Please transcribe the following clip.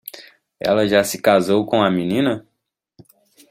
Ela já se casou com a menina?